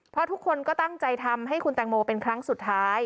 เพราะทุกคนก็ตั้งใจทำให้คุณแตงโมเป็นครั้งสุดท้าย